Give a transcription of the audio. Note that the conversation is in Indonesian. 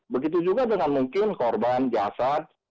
begitu juga dengan mungkin korban jasad